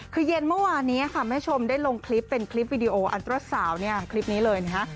คือเย็นเมื่อวานนี้ค่ะแม่ชมได้ลงคลิปเป็นคลิปวิดีโออันตราสาวเนี่ยคลิปนี้เลยนะฮะ